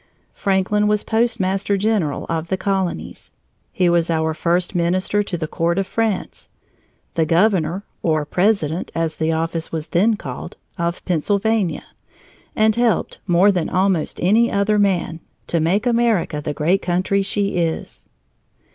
Franklin was postmaster general of the colonies; he was our first minister to the Court of France, the governor (or president, as the office was then called) of Pennsylvania, and helped, more than almost any other man, to make America the great country she is.